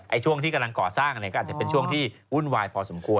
ช่วงที่กำลังก่อสร้างอันนี้ก็อาจจะเป็นช่วงที่วุ่นวายพอสมควร